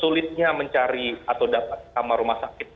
saya hanya berpengaruh dengan rumah sakit